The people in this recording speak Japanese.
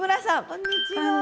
こんにちは。